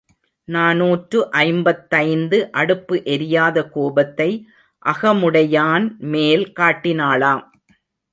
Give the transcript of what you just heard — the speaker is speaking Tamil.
நாநூற்று ஐம்பத்தைந்து அடுப்பு எரியாத கோபத்தை அகமுடையான்மேல் காட்டினாளாம்.